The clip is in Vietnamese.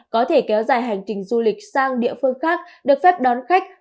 có thể kéo dài hành trình du lịch sang địa phương khác được phép đón khách